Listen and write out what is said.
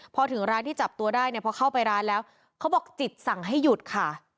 พอถึงร้านที่จับตัวได้เนี่ยพอเข้าไปร้านแล้วเขาบอกจิตสั่งให้หยุดค่ะ